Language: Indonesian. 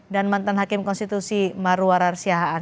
dan mantan hakim konstitusi maruwar arsyahaan